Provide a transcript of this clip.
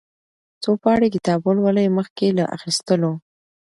څو پاڼې کتاب ولولئ مخکې له اخيستلو.